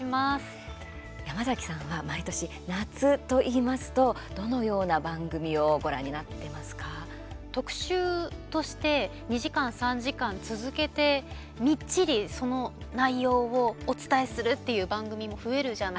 山崎さんは毎年、夏といいますとどのような番組をご覧になってますか。特集として２時間、３時間続けて、みっちりその内容をお伝えするっていう番組も増えるじゃないですか。